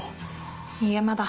いいえまだ。